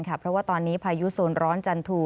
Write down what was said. เพราะว่าตอนนี้พายุโซนร้อนจันทู